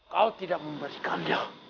kau tidak memberikan dia